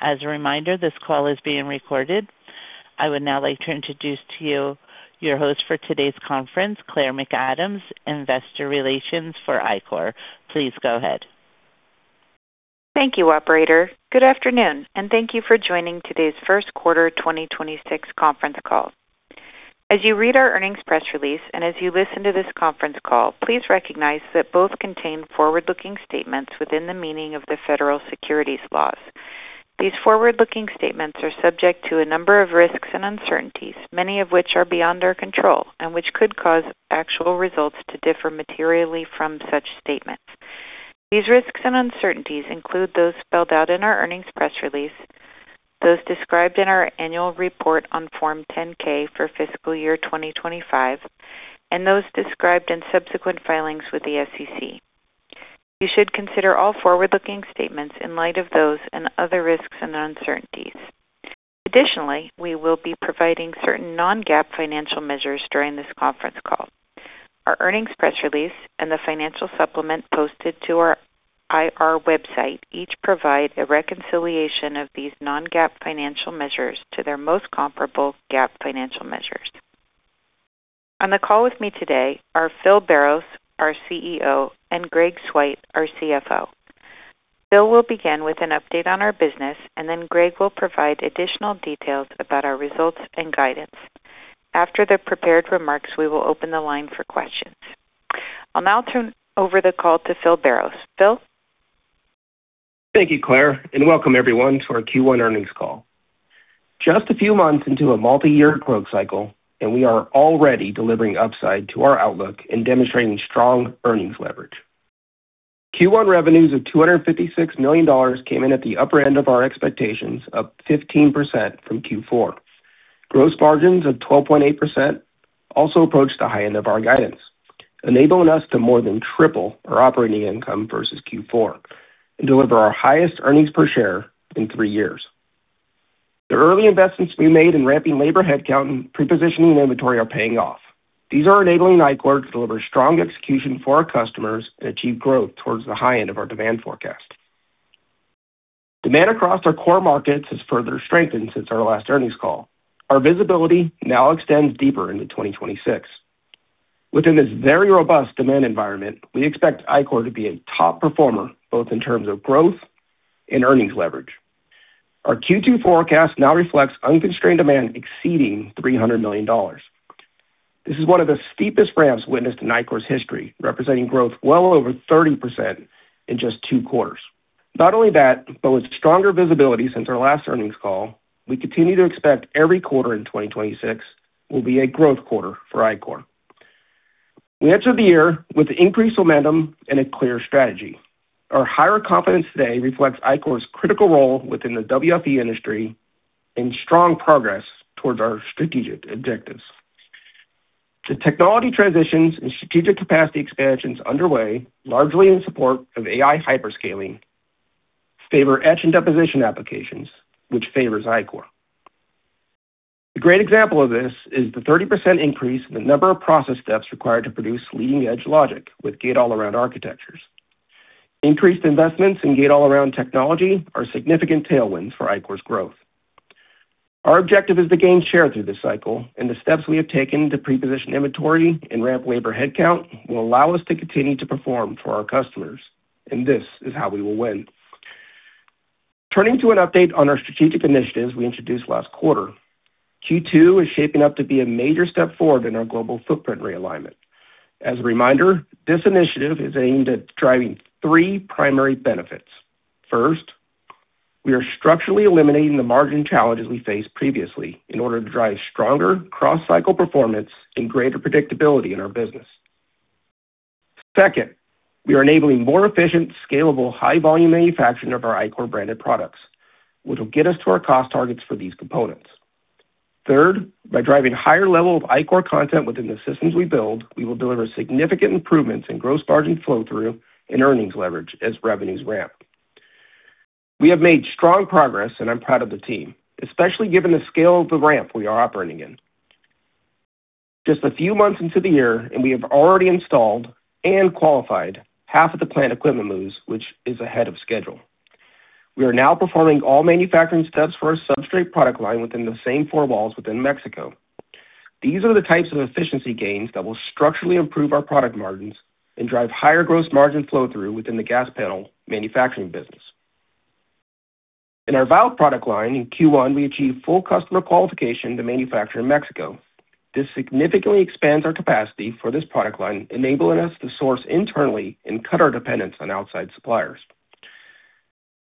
As a reminder, this call is being recorded. I would now like to introduce to you your host for today's conference, Claire McAdams, investor relations for Ichor. Please go ahead. Thank you, operator. Good afternoon, thank you for joining today's first quarter 2026 conference call. As you read our earnings press release and as you listen to this conference call, please recognize that both contain forward-looking statements within the meaning of the federal securities laws. These forward-looking statements are subject to a number of risks and uncertainties, many of which are beyond our control and which could cause actual results to differ materially from such statements. These risks and uncertainties include those spelled out in our earnings press release, those described in our annual report on Form 10-K for fiscal year 2025, and those described in subsequent filings with the SEC. You should consider all forward-looking statements in light of those and other risks and uncertainties. Additionally, we will be providing certain non-GAAP financial measures during this conference call. Our earnings press release and the financial supplement posted to our IR website each provide a reconciliation of these non-GAAP financial measures to their most comparable GAAP financial measures. On the call with me today are Phil Barros, our CEO, and Greg Swyt, our CFO. Phil will begin with an update on our business, and then Greg will provide additional details about our results and guidance. After the prepared remarks, we will open the line for questions. I'll now turn over the call to Phil Barros. Phil? Thank you, Claire, and welcome everyone to our Q1 earnings call. Just a few months into a multi-year growth cycle, we are already delivering upside to our outlook and demonstrating strong earnings leverage. Q1 revenues of $256 million came in at the upper end of our expectations, up 15% from Q4. Gross margins of 12.8% also approached the high end of our guidance, enabling us to more than triple our operating income versus Q4 and deliver our highest earnings per share in three years. The early investments we made in ramping labor headcount and prepositioning inventory are paying off. These are enabling Ichor to deliver strong execution for our customers and achieve growth towards the high end of our demand forecast. Demand across our core markets has further strengthened since our last earnings call. Our visibility now extends deeper into 2026. Within this very robust demand environment, we expect Ichor to be a top performer, both in terms of growth and earnings leverage. Our Q2 forecast now reflects unconstrained demand exceeding $300 million. This is one of the steepest ramps witnessed in Ichor's history, representing growth well over 30% in just two quarters. Not only that, but with stronger visibility since our last earnings call, we continue to expect every quarter in 2026 will be a growth quarter for Ichor. We entered the year with increased momentum and a clear strategy. Our higher confidence today reflects Ichor's critical role within the WFE industry and strong progress towards our strategic objectives. The technology transitions and strategic capacity expansions underway, largely in support of AI hyperscaling, favor etch and deposition applications, which favors Ichor. A great example of this is the 30% increase in the number of process steps required to produce leading-edge logic with gate-all-around architectures. Increased investments in gate-all-around technology are significant tailwinds for Ichor's growth. Our objective is to gain share through this cycle, and the steps we have taken to pre-position inventory and ramp labor headcount will allow us to continue to perform for our customers, and this is how we will win. Turning to an update on our strategic initiatives we introduced last quarter. Q2 is shaping up to be a major step forward in our Global Footprint Realignment. As a reminder, this initiative is aimed at driving three primary benefits. First, we are structurally eliminating the margin challenges we faced previously in order to drive stronger cross-cycle performance and greater predictability in our business. Second, we are enabling more efficient, scalable, high-volume manufacturing of our Ichor-branded products, which will get us to our cost targets for these components. Third, by driving higher level of Ichor content within the systems we build, we will deliver significant improvements in gross margin flow-through and earnings leverage as revenues ramp. We have made strong progress, and I'm proud of the team, especially given the scale of the ramp we are operating in. Just a few months into the year, and we have already installed and qualified half of the planned equipment moves, which is ahead of schedule. We are now performing all manufacturing steps for our substrate product line within the same four walls within Mexico. These are the types of efficiency gains that will structurally improve our product margins and drive higher gross margin flow-through within the gas panel manufacturing business. In our valve product line in Q1, we achieved full customer qualification to manufacture in Mexico. This significantly expands our capacity for this product line, enabling us to source internally and cut our dependence on outside suppliers.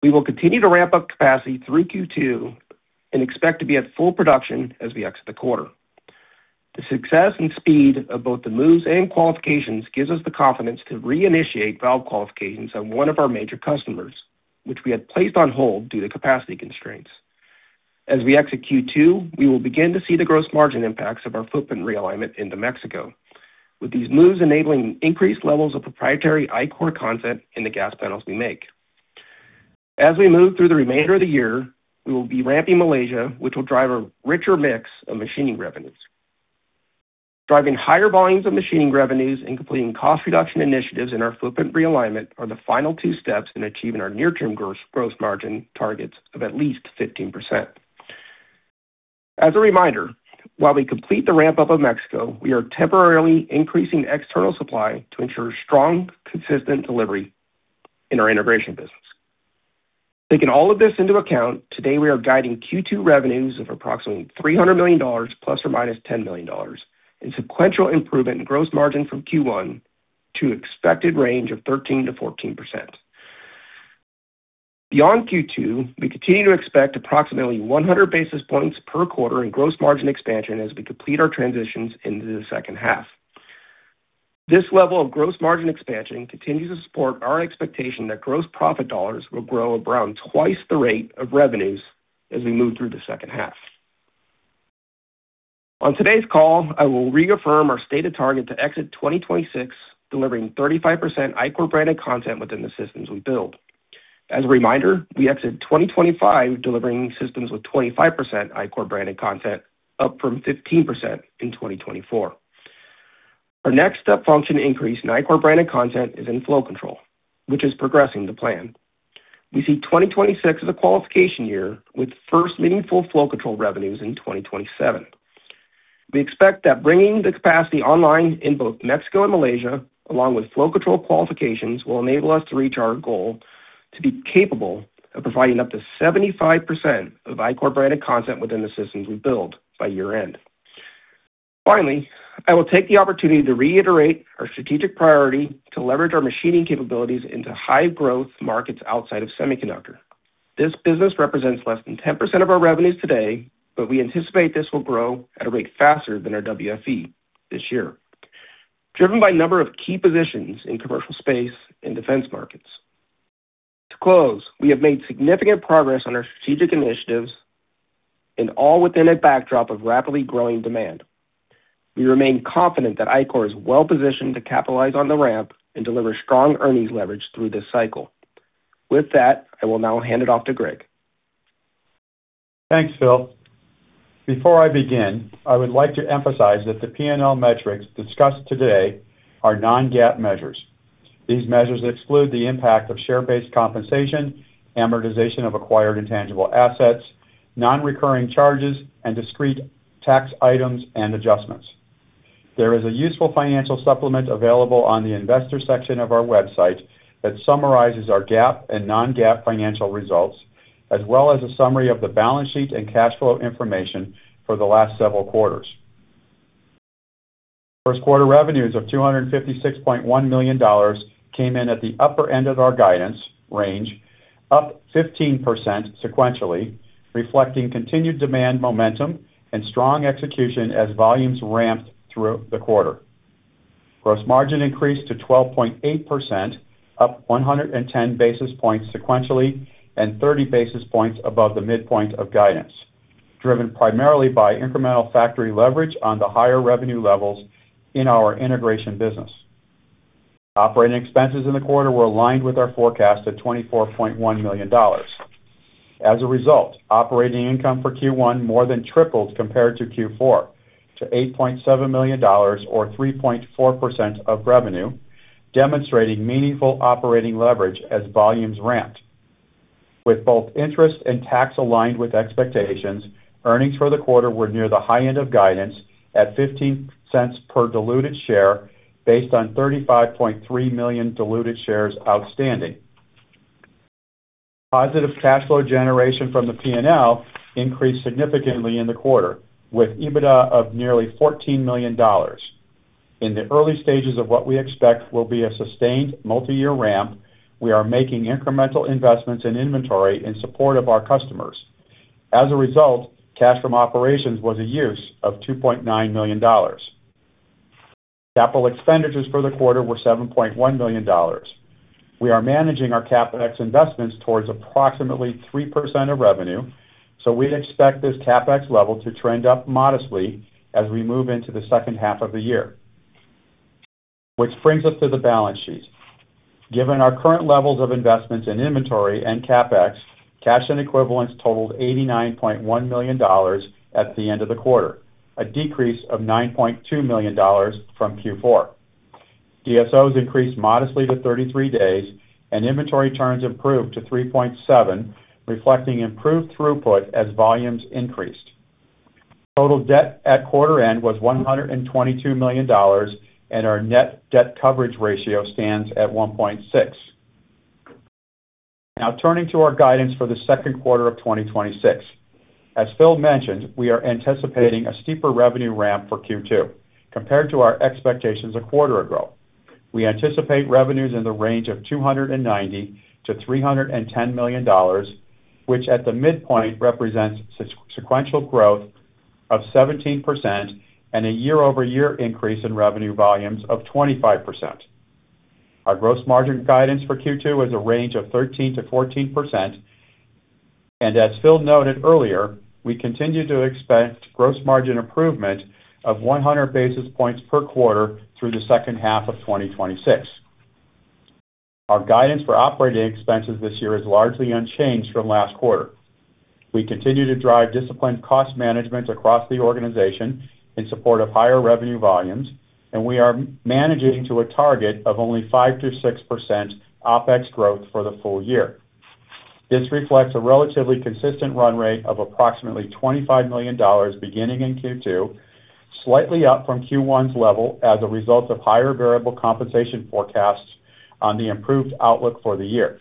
We will continue to ramp up capacity through Q2 and expect to be at full production as we exit the quarter. The success and speed of both the moves and qualifications gives us the confidence to reinitiate valve qualifications on one of our major customers, which we had placed on hold due to capacity constraints. As we exit Q2, we will begin to see the gross margin impacts of our footprint realignment into Mexico, with these moves enabling increased levels of proprietary Ichor content in the gas panels we make. As we move through the remainder of the year, we will be ramping Malaysia, which will drive a richer mix of machining revenues. Driving higher volumes of machining revenues and completing cost reduction initiatives in our footprint realignment are the final two steps in achieving our near-term gross growth margin targets of at least 15%. As a reminder, while we complete the ramp-up of Mexico, we are temporarily increasing external supply to ensure strong, consistent delivery in our integration business. Taking all of this into account, today we are guiding Q2 revenues of approximately $300 million ±$10 million, and sequential improvement in gross margin from Q1 to expected range of 13%-14%. Beyond Q2, we continue to expect approximately 100 basis points per quarter in gross margin expansion as we complete our transitions into the second half. This level of gross margin expansion continues to support our expectation that gross profit dollars will grow around twice the rate of revenues as we move through the second half. On today's call, I will reaffirm our stated target to exit 2026 delivering 35% Ichor-branded content within the systems we build. As a reminder, we exit 2025 delivering systems with 25% Ichor-branded content, up from 15% in 2024. Our next step function increase in Ichor-branded content is in flow control, which is progressing to plan. We see 2026 as a qualification year, with first meaningful flow control revenues in 2027. We expect that bringing the capacity online in both Mexico and Malaysia, along with flow control qualifications, will enable us to reach our goal to be capable of providing up to 75% of Ichor-branded content within the systems we build by year-end. Finally, I will take the opportunity to reiterate our strategic priority to leverage our machining capabilities into high-growth markets outside of semiconductor. This business represents less than 10% of our revenues today, but we anticipate this will grow at a rate faster than our WFE this year, driven by a number of key positions in commercial space and defense markets. To close, we have made significant progress on our strategic initiatives and all within a backdrop of rapidly growing demand. We remain confident that Ichor is well-positioned to capitalize on the ramp and deliver strong earnings leverage through this cycle. With that, I will now hand it off to Greg. Thanks, Phil. Before I begin, I would like to emphasize that the P&L metrics discussed today are non-GAAP measures. These measures exclude the impact of share-based compensation, amortization of acquired intangible assets, non-recurring charges, and discrete tax items and adjustments. There is a useful financial supplement available on the investor section of our website that summarizes our GAAP and non-GAAP financial results, as well as a summary of the balance sheet and cash flow information for the last several quarters. First quarter revenues of $256.1 million came in at the upper end of our guidance range, up 15% sequentially, reflecting continued demand momentum and strong execution as volumes ramped throughout the quarter. Gross margin increased to 12.8%, up 110 basis points sequentially and 30 basis points above the midpoint of guidance, driven primarily by incremental factory leverage on the higher revenue levels in our integration business. Operating Expenses in the quarter were aligned with our forecast at $24.1 million. Operating income for Q1 more than tripled compared to Q4 to $8.7 million or 3.4% of revenue, demonstrating meaningful operating leverage as volumes ramped. With both interest and tax aligned with expectations, earnings for the quarter were near the high end of guidance at $0.15 per diluted share based on 35.3 million diluted shares outstanding. Positive cash flow generation from the P&L increased significantly in the quarter, with EBITDA of nearly $14 million. In the early stages of what we expect will be a sustained multi-year ramp, we are making incremental investments in inventory in support of our customers. As a result, cash from operations was a use of $2.9 million. Capital expenditures for the quarter were $7.1 million. We are managing our CapEx investments towards approximately 3% of revenue, so we expect this CapEx level to trend up modestly as we move into the second half of the year. Which brings us to the balance sheet. Given our current levels of investments in inventory and CapEx, cash and equivalents totaled $89.1 million at the end of the quarter, a decrease of $9.2 million from Q4. DSOs increased modestly to 33 days, and inventory turns improved to 3.7, reflecting improved throughput as volumes increased. Total debt at quarter end was $122 million, and our net debt coverage ratio stands at 1.6. Now turning to our guidance for Q2 2026. As Phil mentioned, we are anticipating a steeper revenue ramp for Q2 compared to our expectations a quarter ago. We anticipate revenues in the range of $290 million-$310 million, which at the midpoint represents sequential growth of 17% and a year-over-year increase in revenue volumes of 25%. Our gross margin guidance for Q2 is a range of 13%-14%. As Phil noted earlier, we continue to expect gross margin improvement of 100 basis points per quarter through the second half of 2026. Our guidance for Operating Expenses this year is largely unchanged from last quarter. We continue to drive disciplined cost management across the organization in support of higher revenue volumes. We are managing to a target of only 5%-6% OpEx growth for the full year. This reflects a relatively consistent run rate of approximately $25 million beginning in Q2, slightly up from Q1's level as a result of higher variable compensation forecasts on the improved outlook for the year.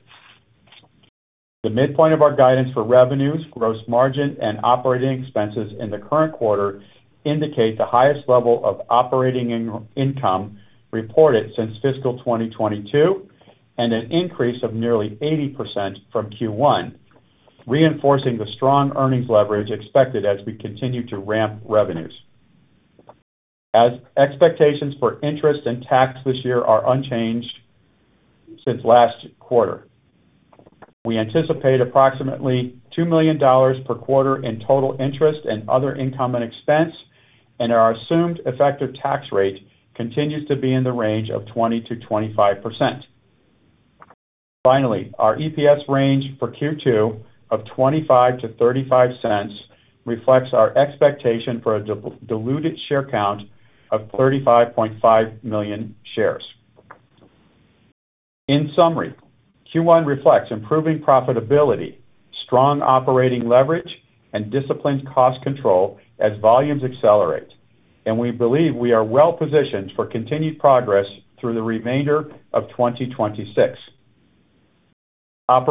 The midpoint of our guidance for revenues, gross margin, and operating expenses in the current quarter indicate the highest level of operating income reported since fiscal 2022 and an increase of nearly 80% from Q1, reinforcing the strong earnings leverage expected as we continue to ramp revenues. Expectations for interest and tax this year are unchanged since last quarter. We anticipate approximately $2 million per quarter in total interest and other income and expense, and our assumed effective tax rate continues to be in the range of 20%-25%. Finally, our EPS range for Q2 of $0.25-$0.35 reflects our expectation for a diluted share count of 35.5 million shares. In summary, Q1 reflects improving profitability, strong operating leverage, and disciplined cost control as volumes accelerate, and we believe we are well positioned for continued progress through the remainder of 2026. Thank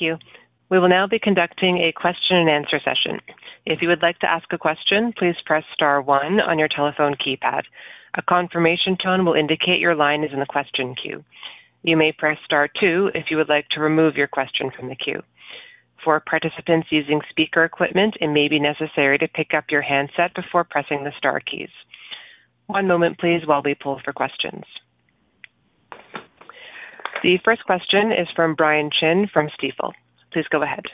you. We will now be conducting a question-and-answer session. The first question is from Brian Chin from Stifel. Please go ahead.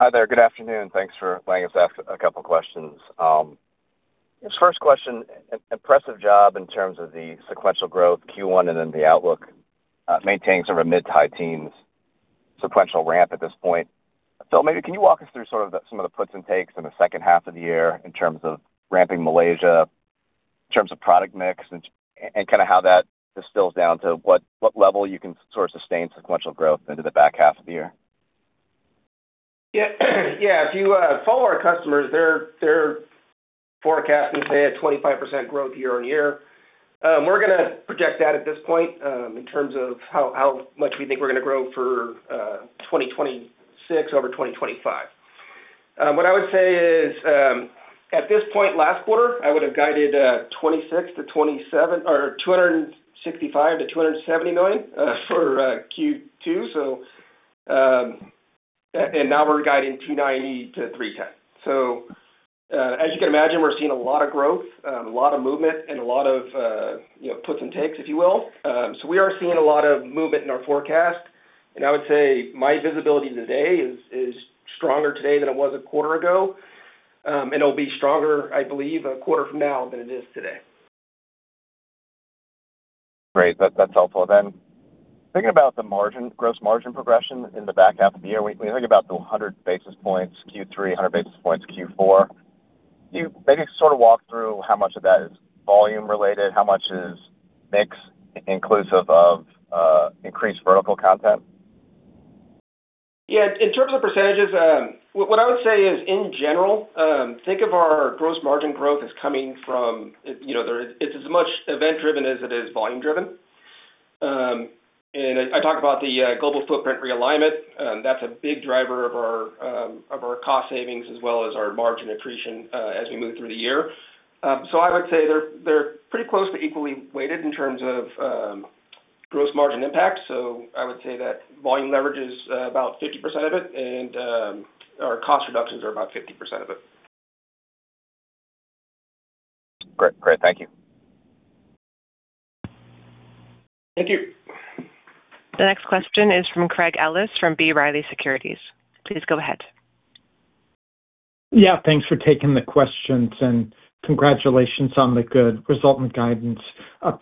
Hi there. Good afternoon. Thanks for letting us ask a couple questions. This first question, impressive job in terms of the sequential growth Q1 and then the outlook, maintaining sort of a mid-to-high teens sequential ramp at this point. Maybe can you walk us through sort of the, some of the puts and takes in the second half of the year in terms of ramping Malaysia, in terms of product mix, and kinda how that distills down to what level you can sort of sustain sequential growth into the back half of the year? Yeah. If you follow our customers, they're forecasting, say, a 25% growth year-over-year. We're gonna project that at this point, in terms of how much we think we're gonna grow for 2026 over 2025. What I would say is, at this point last quarter, I would have guided 26-27 or $265 million-$270 million for Q2. Now we're guiding $290 million-$310 million. As you can imagine, we're seeing a lot of growth, a lot of movement and a lot of, you know, puts and takes, if you will. We are seeing a lot of movement in our forecast. I would say my visibility today is stronger today than it was a quarter ago, and it'll be stronger, I believe, a quarter from now than it is today. Great. That's helpful. Thinking about the margin, gross margin progression in the back half of the year, when you think about the 100 basis points Q3, 100 basis points Q4, can you maybe sort of walk through how much of that is volume related, how much is mix inclusive of increased vertical content? Yeah. In terms of percentages, what I would say is in general, think of our gross margin growth as coming from, you know, it's as much event-driven as it is volume-driven. I talk about the global footprint realignment, that's a big driver of our of our cost savings as well as our margin accretion as we move through the year. I would say they're pretty closely equally weighted in terms of gross margin impact. I would say that volume leverage is about 50% of it and our cost reductions are about 50% of it. Great. Great. Thank you. Thank you. The next question is from Craig Ellis from B. Riley Securities. Please go ahead. Thanks for taking the questions, and congratulations on the good resultant guidance.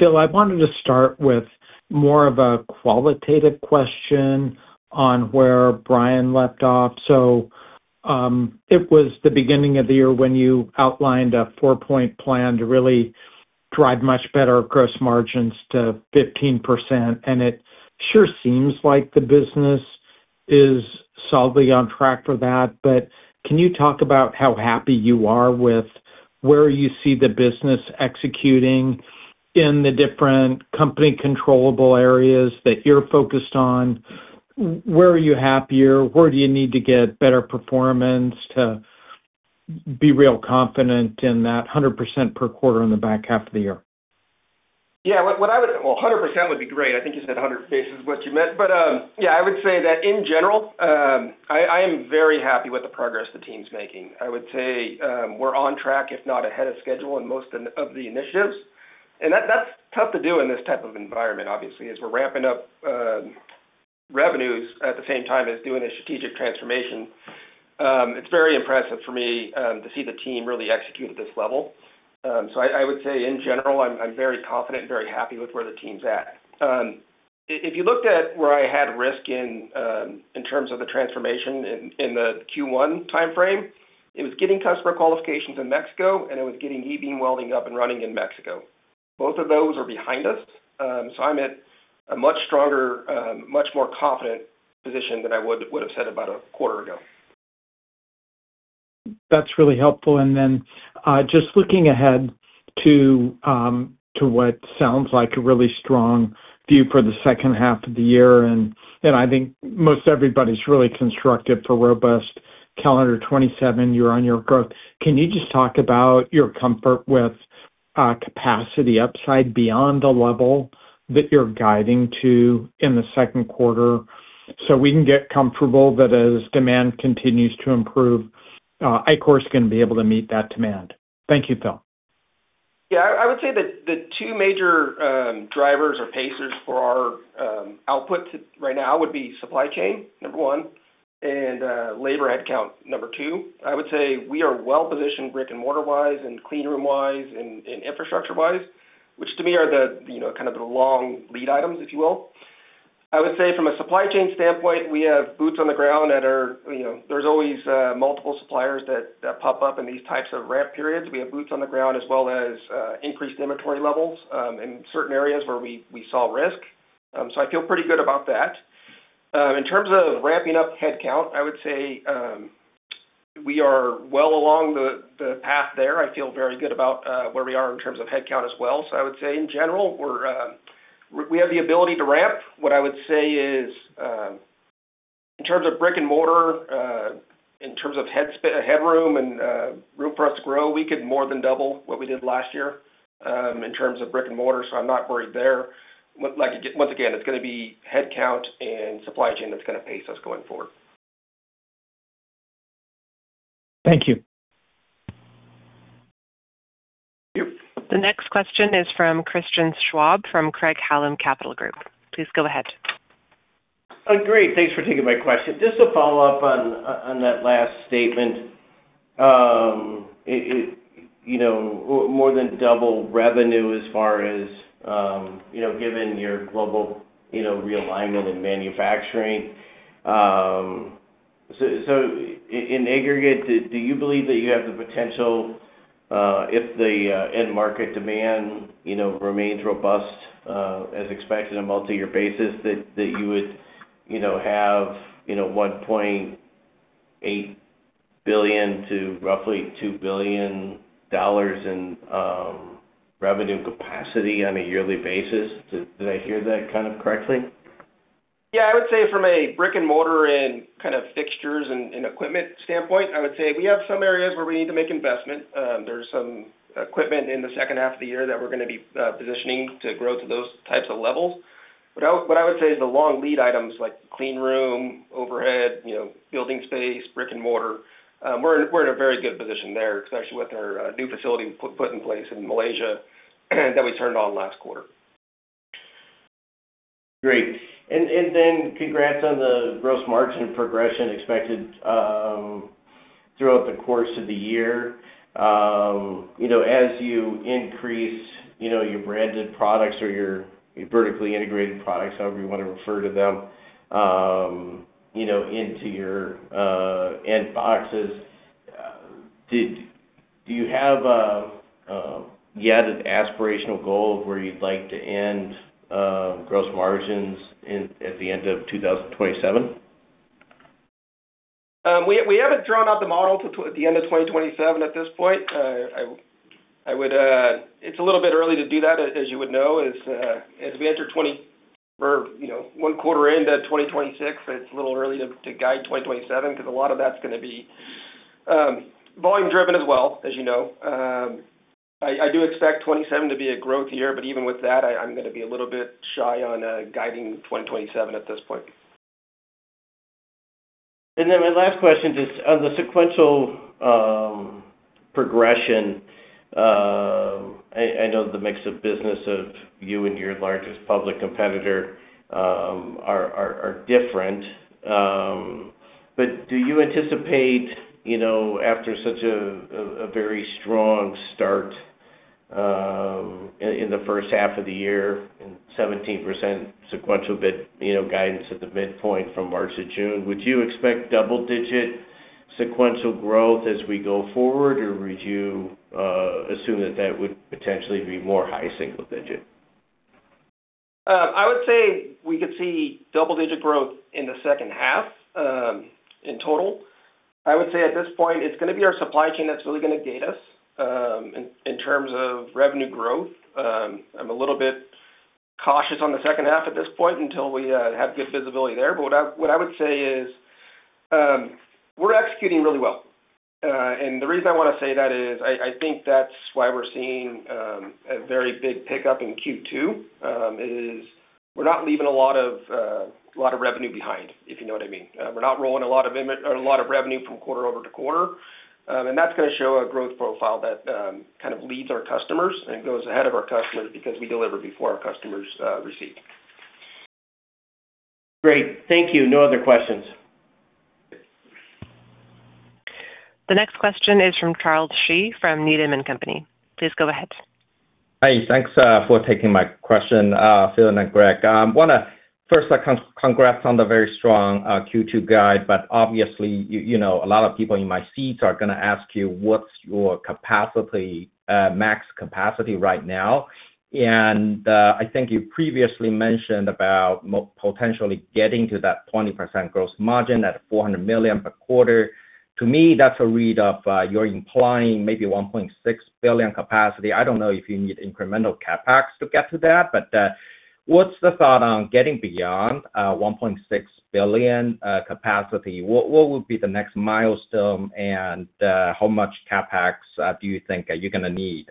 Phil, I wanted to start with more of a qualitative question on where Brian Chin left off. It was the beginning of the year when you outlined a four-point plan to really drive much better gross margins to 15%, and it sure seems like the business is solidly on track for that. Can you talk about how happy you are with where you see the business executing in the different company controllable areas that you're focused on? Where are you happier? Where do you need to get better performance to be real confident in that 100% per quarter in the back half of the year? Yeah. Well, 100% would be great. I think you said 100 basis what you meant. Yeah, I would say that in general, I am very happy with the progress the team's making. I would say, we're on track, if not ahead of schedule in most of the initiatives. That's tough to do in this type of environment, obviously, as we're ramping up. revenues at the same time as doing a strategic transformation, it's very impressive for me to see the team really execute at this level. I would say in general, I'm very confident and very happy with where the team's at. If you looked at where I had risk in terms of the transformation in the Q1 timeframe, it was getting customer qualifications in Mexico, and it was getting e-beam welding up and running in Mexico. Both of those are behind us. I'm at a much stronger, much more confident position than I would have said about a quarter ago. That's really helpful. Just looking ahead to what sounds like a really strong view for the second half of the year, and I think most everybody's really constructive for robust calendar 2027 year-over-year growth. Can you just talk about your comfort with capacity upside beyond the level that you're guiding to in the second quarter so we can get comfortable that as demand continues to improve, Ichor's going to be able to meet that demand? Thank you, Phil. I would say that the two major drivers or pacers for our output right now would be supply chain, number one, and labor headcount, number two. I would say we are well-positioned brick-and-mortar wise and clean room wise and infrastructure wise, which to me are the, you know, kind of the long lead items, if you will. I would say from a supply chain standpoint, we have boots on the ground that are, you know, there's always multiple suppliers that pop up in these types of ramp periods. We have boots on the ground as well as increased inventory levels in certain areas where we saw risk. I feel pretty good about that. In terms of ramping up headcount, I would say we are well along the path there. I feel very good about where we are in terms of headcount as well. I would say in general, we have the ability to ramp. What I would say is, in terms of brick-and-mortar, in terms of headroom and room for us to grow, we could more than double what we did last year in terms of brick-and-mortar, so I'm not worried there. Like once again, it's gonna be headcount and supply chain that's gonna pace us going forward. Thank you. Thank you. The next question is from Christian Schwab, from Craig-Hallum Capital Group. Please go ahead. Great. Thanks for taking my question. Just to follow up on that last statement, it, you know, more than double revenue as far as, you know, given your global, you know, realignment in manufacturing. So in aggregate, do you believe that you have the potential, if the end market demand, you know, remains robust, as expected on a multi-year basis that, you would, you know, have, you know, $1.8 billion to roughly $2 billion in revenue capacity on a yearly basis? Did I hear that kind of correctly? Yeah. I would say from a brick-and-mortar and kind of fixtures and equipment standpoint, I would say we have some areas where we need to make investment. There's some equipment in the second half of the year that we're gonna be positioning to grow to those types of levels. What I would say is the long lead items like clean room, overhead, you know, building space, brick-and-mortar, we're in a very good position there, especially with our new facility put in place in Malaysia that we turned on last quarter. Great. Then congrats on the gross margin progression expected throughout the course of the year. As you increase your branded products or your vertically integrated products, however you wanna refer to them, into your gas boxes, do you have a yet an aspirational goal of where you'd like to end gross margins at the end of 2027? We haven't drawn out the model to at the end of 2027 at this point. I would. It's a little bit early to do that, as you would know, as we enter or, you know, one quarter into 2026, it's a little early to guide 2027 because a lot of that's gonna be volume driven as well, as you know. I do expect 2027 to be a growth year, but even with that, I'm gonna be a little bit shy on guiding 2027 at this point. My last question, just on the sequential progression, I know the mix of business of you and your largest public competitor are different. Do you anticipate, you know, after such a very strong start in the first half of the year and 17% sequential mid, you know, guidance at the midpoint from March to June, would you expect double-digit sequential growth as we go forward, or would you assume that that would potentially be more high single digit? I would say we could see double-digit growth in the second half, in total. I would say at this point it's gonna be our supply chain that's really gonna gate us, in terms of revenue growth. I'm a little bit cautious on the second half at this point until we have good visibility there. What I would say is, we're executing really well. The reason I wanna say that is I think that's why we're seeing, a very big pickup in Q2, is we're not leaving a lot of revenue behind, if you know what I mean. We're not rolling a lot of revenue from quarter over to quarter. That's gonna show a growth profile that kind of leads our customers and goes ahead of our customers because we deliver before our customers receive. Great. Thank you. No other questions. The next question is from Charles Shi from Needham & Company. Please go ahead. Hi. Thanks for taking my question, Phil and Greg. First, congrats on the very strong Q2 guide, but obviously, you know, a lot of people in my seats are gonna ask you what's your capacity, max capacity right now. I think you previously mentioned about potentially getting to that 20% gross margin at $400 million per quarter. To me, that's a read of, you're implying maybe $1.6 billion capacity. I don't know if you need incremental CapEx to get to that, but what's the thought on getting beyond $1.6 billion capacity? What would be the next milestone, and how much CapEx do you think are you gonna need?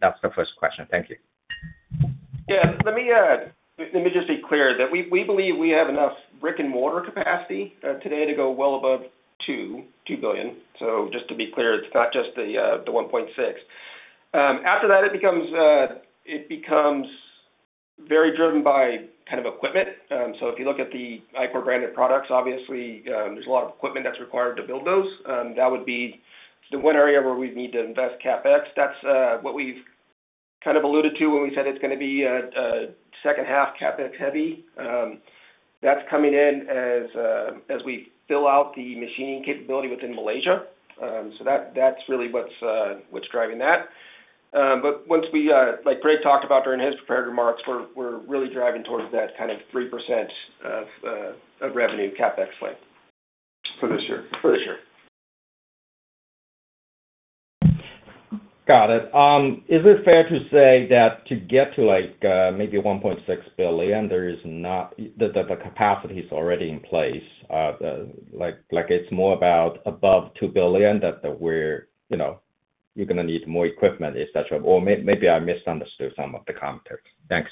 That's the first question. Thank you. Yeah. Let me just be clear that we believe we have enough brick-and-mortar capacity today to go well above $2 billion. Just to be clear, it's not just the $1.6 billion. After that, it becomes very driven by kind of equipment. If you look at the Ichor-branded products, obviously, there's a lot of equipment that's required to build those. That would be the one area where we'd need to invest CapEx. That's what we've kind of alluded to when we said it's gonna be a second half CapEx heavy. That's coming in as we fill out the machining capability within Malaysia. That's really what's driving that. Once we, like Greg talked about during his prepared remarks, we're really driving towards that kind of 3% of revenue CapEx rate. For this year. For this year. Got it. Is it fair to say that to get to, like, maybe $1.6 billion, the capacity is already in place. Like, it's more about above $2 billion that we're, you know, you're gonna need more equipment, et cetera, or maybe I misunderstood some of the commentary? Thanks.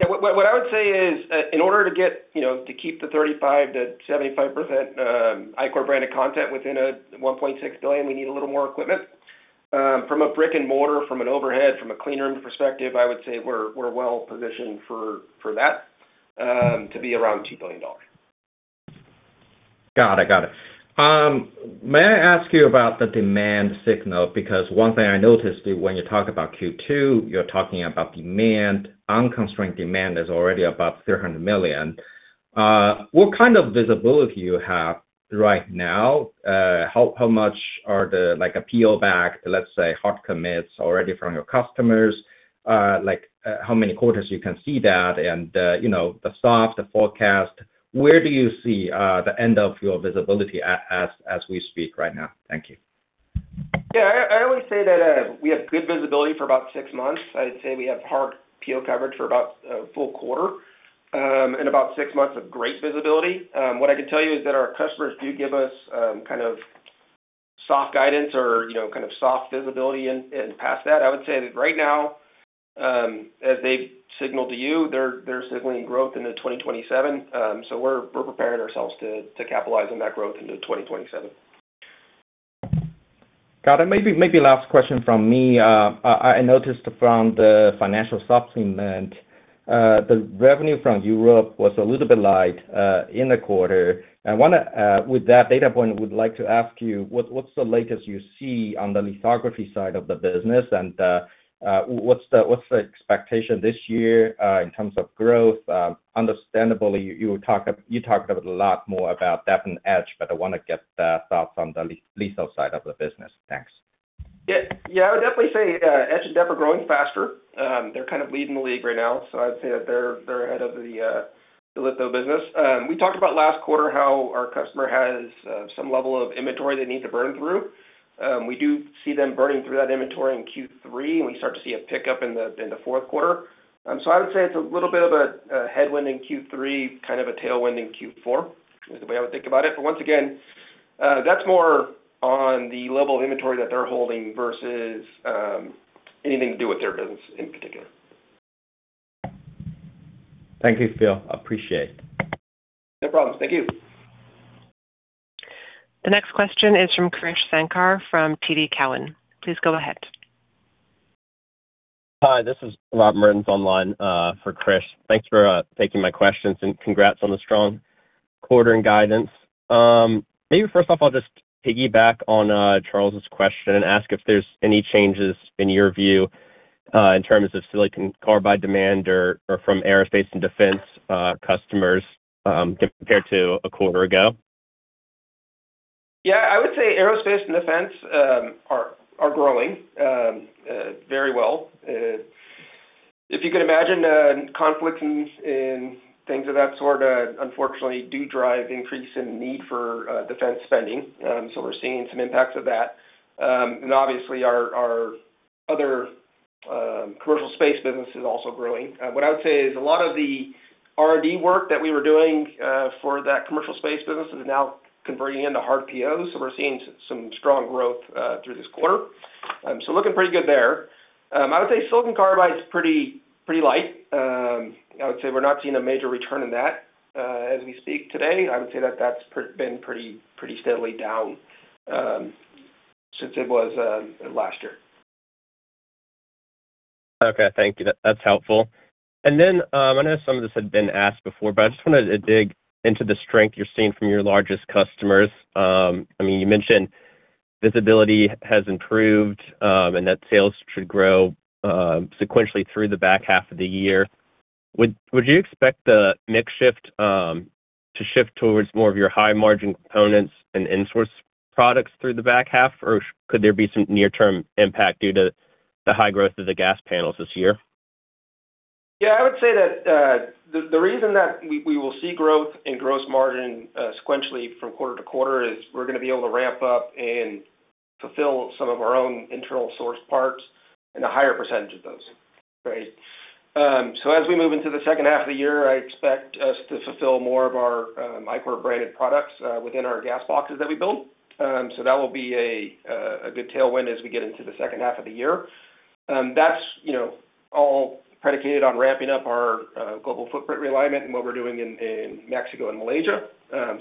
Yeah. What I would say is, in order to get, you know, to keep the 35%-75%, Ichor-branded content within a $1.6 billion, we need a little more equipment. From a brick-and-mortar, from an overhead, from a cleanroom perspective, I would say we're well positioned for that, to be around $2 billion. Got it. Got it. May I ask you about the demand signal? One thing I noticed when you talk about Q2, you're talking about demand. Unconstrained demand is already above $300 million. What kind of visibility you have right now? How much are the, like, a PO back, let's say, hard commits already from your customers? Like, how many quarters you can see that? You know, the forecast, where do you see the end of your visibility as we speak right now? Thank you. Yeah. I always say that we have good visibility for about six months. I'd say we have hard PO coverage for about a full quarter, and about six months of great visibility. What I can tell you is that our customers do give us kind of soft guidance or, you know, kind of soft visibility in past that. I would say that right now, as they've signaled to you, they're signaling growth into 2027. We're preparing ourselves to capitalize on that growth into 2027. Got it. Maybe, maybe last question from me. I noticed from the financial supplement, the revenue from Europe was a little bit light in the quarter. I wanna, with that data point, would like to ask you what's the latest you see on the lithography side of the business, what's the, what's the expectation this year in terms of growth? Understandably, you talked a lot more about dep and etch, but I wanna get the thoughts on the litho side of the business. Thanks. Yeah. Yeah. I would definitely say, etch and dep are growing faster. They're kind of leading the league right now. I'd say that they're ahead of the litho business. We talked about last quarter how our customer has some level of inventory they need to burn through. We do see them burning through that inventory in Q3. We start to see a pickup in the, in the fourth quarter. I would say it's a little bit of a headwind in Q3, kind of a tailwind in Q4, is the way I would think about it. Once again, that's more on the level of inventory that they're holding versus anything to do with their business in particular. Thank you, Phil. Appreciate. No problem. Thank you. The next question is from Krish Sankar from TD Cowen. Please go ahead. Hi, this is Rob Mertens online for Krish. Thanks for taking my questions, and congrats on the strong quarter and guidance. Maybe first off, I'll just piggyback on Charles Shi's question and ask if there's any changes in your view in terms of silicon carbide demand or from aerospace and defense customers compared to a quarter ago. Yeah. I would say aerospace and defense are growing very well. If you can imagine, conflict and things of that sort, unfortunately do drive increase in need for defense spending. We're seeing some impacts of that. Obviously our other commercial space business is also growing. What I would say is a lot of the R&D work that we were doing for that commercial space business is now converting into hard POs, we're seeing some strong growth through this quarter. Looking pretty good there. I would say silicon carbide is pretty light, I would say we're not seeing a major return in that as we speak today. I would say that's been pretty steadily down since it was last year. Okay. Thank you. That, that's helpful. I know some of this had been asked before, but I just wanted to dig into the strength you're seeing from your largest customers. I mean, you mentioned visibility has improved, and that sales should grow sequentially through the back half of the year. Would you expect the mix shift to shift towards more of your high margin components and in-source products through the back half? Or could there be some near term impact due to the high growth of the gas panels this year? I would say that the reason that we will see growth in gross margin sequentially from quarter to quarter is we're gonna be able to ramp up and fulfill some of our own internal source parts and a higher percentage of those. Right? As we move into the second half of the year, I expect us to fulfill more of our Ichor-branded products within our gas boxes that we build. That will be a good tailwind as we get into the second half of the year. That's, you know, all predicated on ramping up our global footprint realignment and what we're doing in Mexico and Malaysia.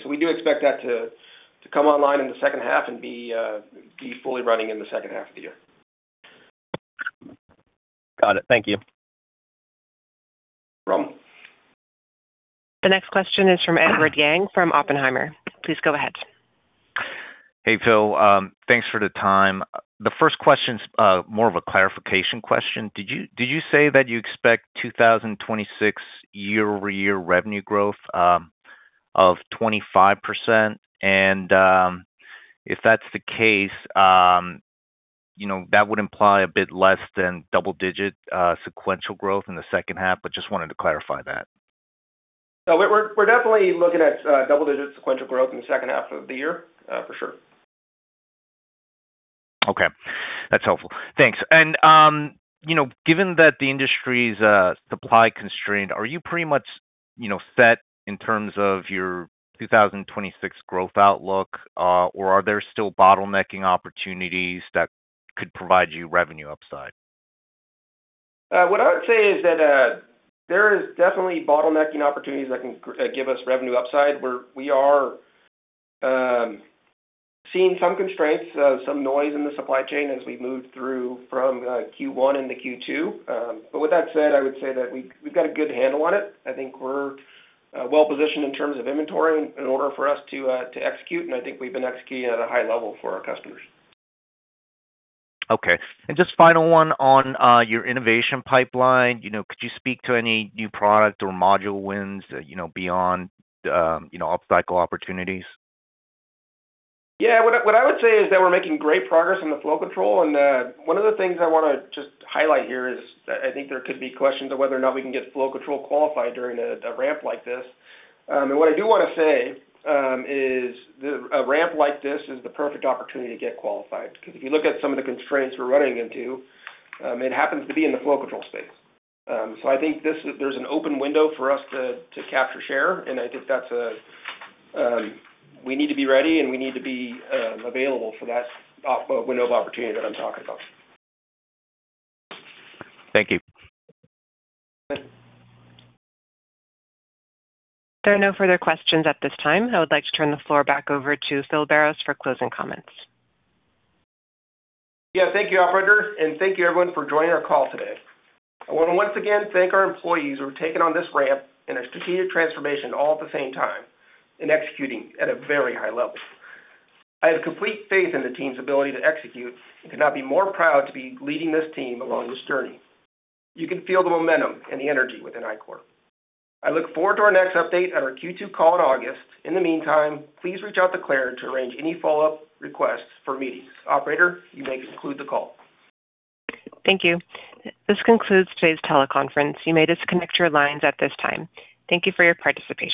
We do expect that to come online in the second half and be fully running in the second half of the year. Got it. Thank you. No problem. The next question is from Edward Yang from Oppenheimer. Please go ahead. Hey, Phil. Thanks for the time. The first question's more of a clarification question. Did you say that you expect 2026 year-over-year revenue growth of 25%? If that's the case, you know, that would imply a bit less than double digit sequential growth in the second half, but just wanted to clarify that. No, we're definitely looking at double-digit sequential growth in the second half of the year for sure. Okay. That's helpful. Thanks. You know, given that the industry's supply constraint, are you pretty much, you know, set in terms of your 2026 growth outlook? Or are there still bottlenecking opportunities that could provide you revenue upside? What I would say is that there is definitely bottlenecking opportunities that can give us revenue upside, where we are seeing some constraints, some noise in the supply chain as we move through from Q1 into Q2. With that said, I would say that we've got a good handle on it. I think we're well-positioned in terms of inventory in order for us to execute, and I think we've been executing at a high level for our customers. Okay. Just final one on your innovation pipeline. You know, could you speak to any new product or module wins, you know, beyond, you know, up cycle opportunities? Yeah. What I would say is that we're making great progress in the flow control, and one of the things I wanna just highlight here is I think there could be questions of whether or not we can get flow control qualified during a ramp like this. What I do wanna say is a ramp like this is the perfect opportunity to get qualified. If you look at some of the constraints we're running into, it happens to be in the flow control space. I think there's an open window for us to capture share. We need to be ready, and we need to be available for that window of opportunity that I'm talking about. Thank you. Okay. There are no further questions at this time. I would like to turn the floor back over to Phil Barros for closing comments. Yeah. Thank you, operator, and thank you, everyone, for joining our call today. I wanna once again thank our employees who have taken on this ramp and our strategic transformation all at the same time and executing at a very high level. I have complete faith in the team's ability to execute and could not be more proud to be leading this team along this journey. You can feel the momentum and the energy within Ichor. I look forward to our next update at our Q2 call in August. In the meantime, please reach out to Claire to arrange any follow-up requests for meetings. Operator, you may conclude the call. Thank you. This concludes today's teleconference. You may disconnect your lines at this time. Thank you for your participation.